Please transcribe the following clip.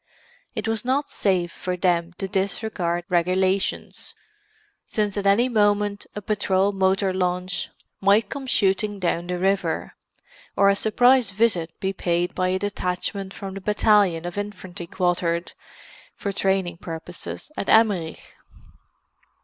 It was not safe for them to disregard regulations, since at any moment a patrol motor launch might come shooting down the river, or a surprise visit be paid by a detachment from the battalion of infantry quartered, for training purposes, at Emmerich.